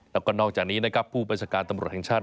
แล้วก็นอกจากนี้ผู้บริษัทกาลตำรวจแงชาติ